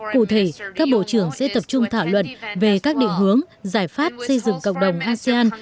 cụ thể các bộ trưởng sẽ tập trung thảo luận về các định hướng giải pháp xây dựng cộng đồng asean